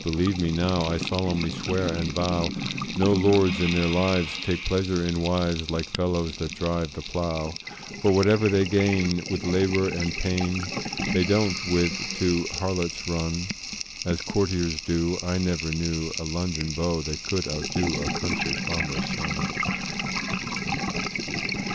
believe me now I solemnly swear and vow, No lords in their lives take pleasure in wives, Like fellows that drive the plough: For whatever they gain with labour and pain, They don't with 't to harlots run, As courtiers do. I never knew A London beau that could outdo A country farmer's son.